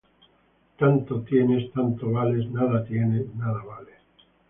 Tanto tienes, tanto vales; nada tienes, nada vales.